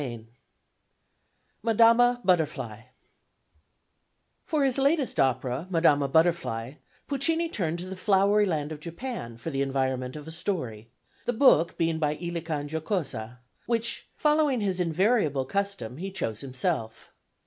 IX "MADAMA BUTTERFLY" For his latest opera, Madama Butterfly, Puccini turned to the flowery land of Japan for the environment of a story the book being by Illica and Giocosa which, following his invariable custom, he chose himself.